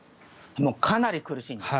かなり苦しいです。